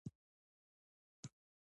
دا د ایران ارزښت دی.